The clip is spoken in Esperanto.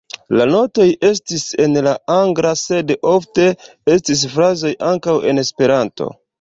La notoj estis en la angla sed ofte estis frazoj ankaŭ en Esperanto.